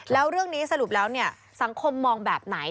แล้วเรื่องนี้สรุปแล้วเนี่ยสังคมมองแบบไหน